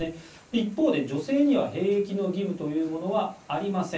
一方で女性には兵役の義務というものはありません。